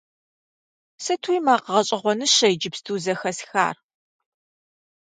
Сытуи макъ гъэщӀэгъуэныщэ иджыпсту зэхэсхар!